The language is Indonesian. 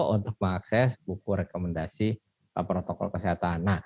untuk mengakses buku rekomendasi protokol kesehatan